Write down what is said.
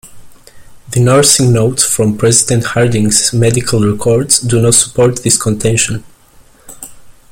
The nursing notes from President Harding's medical records do not support this contention.